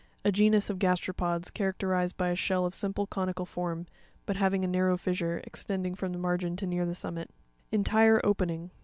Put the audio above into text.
A genus of gasteropods, character ized by a shell of simple conical form, but having a narrow fissure, extending from the margin to near the summit (page 61). ENTIRE opeNinc.